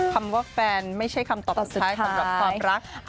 คำว่าแฟนไม่ใช่คำตอบสุดท้ายสำหรับความรัก